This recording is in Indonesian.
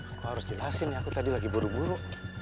aku harus jelasin ya aku tadi lagi buru buru